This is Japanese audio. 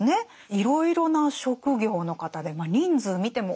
いろいろな職業の方で人数見ても多いですよね。